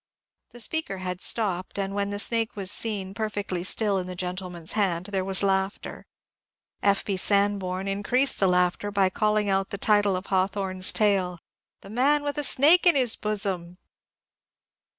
The speaker had stopped, and when the snake was seen per fectly still in the gentleman's hand there was laughter. F. B. Sanborn increased the laughter by calling out the title of Hawthorne's tale, ^^ The Man with a Snake in his Bosom."